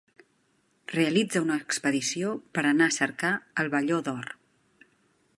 Realitza una expedició per anar a cercar el velló d'or.